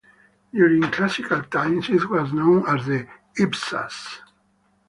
During Classical times it was known as the "Hypsas".